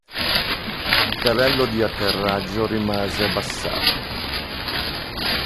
Il carrello di atterraggio rimase abbassato.